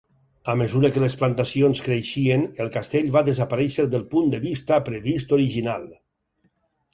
A mesura que les plantacions creixien, el castell va desaparèixer del punt de vista previst original.